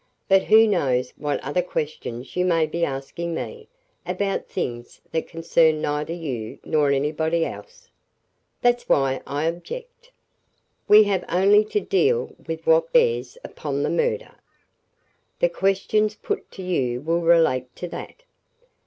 But who knows what other questions you may be asking me, about things that concerned neither you nor anybody else? That's why I object." "We have only to deal with what bears upon the murder. The questions put to you will relate to that."